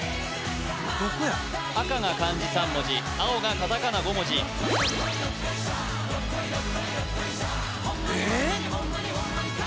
どこや赤が漢字３文字青がカタカナ５文字ええっ？